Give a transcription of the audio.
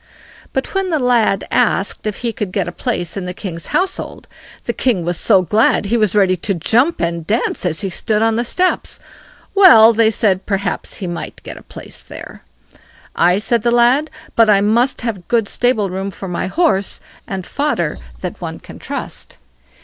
But when the lad asked if he could get a place in the king's household, the king was so glad he was ready to jump and dance as he stood on the steps. Well, they said, perhaps he might get a place there. "Aye", said the lad, "but I must have good stable room for my horse, and fodder that one can trust."